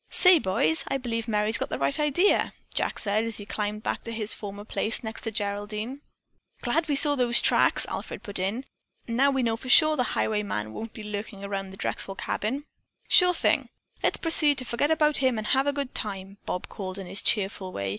"Say, boys, I believe Merry's got the right idea," Jack said as he climbed back to his former place next to Geraldine. "Glad we saw those tracks," Alfred put in. "Now we know for sure that the highwayman won't be lurking around the Drexel cabin." "Sure thing! Let's proceed to forget about him and have a good time," Bob called in his cheerful way.